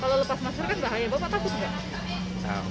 kalau lepas masker kan bahaya bapak takut nggak